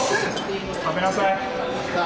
食べなさい。